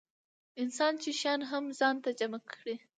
انسان چې شیان هم ځان ته جمع کړي.